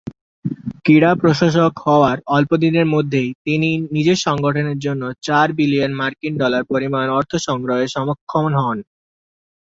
ক্রীড়া প্রশাসক হওয়ার অল্প দিনের মধ্যেই তিনি নিজের সংগঠনের জন্য চার বিলিয়ন মার্কিন ডলার পরিমাণ অর্থ সংগ্রহে সক্ষম হন।